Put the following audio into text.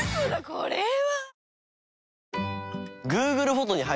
これは。